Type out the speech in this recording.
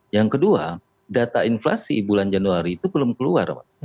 yang kedua data inflasi bulan januari itu belum keluar mas